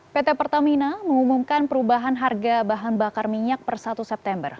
pt pertamina mengumumkan perubahan harga bahan bakar minyak per satu september